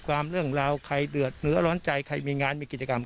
เรื่องราวใครเดือดเนื้อร้อนใจใครมีงานมีกิจกรรม